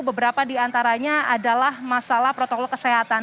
beberapa di antaranya adalah masalah protokol kesehatan